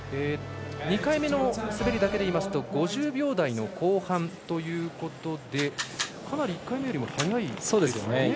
２回目の滑りだけでいいますと５０秒台の後半ということでかなり１回目よりも速いですね。